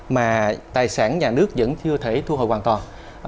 mà tài sản nhà nước vẫn chưa thể thu hồi hoàn toàn